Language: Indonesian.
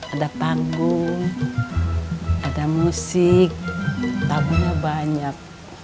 ada panggung ada musik tabunya banyak